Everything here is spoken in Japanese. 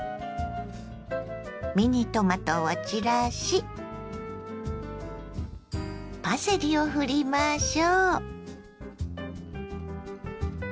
ミニトマトを散らしパセリをふりましょ。